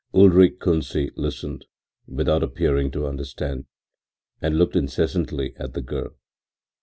Ulrich Kunsi listened, without appearing to understand and looked incessantly at the girl.